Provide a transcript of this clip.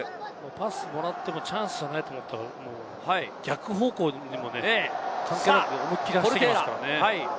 パスをもらってもチャンスじゃないと思ったら逆方向にも思いっきり走っていきますからね。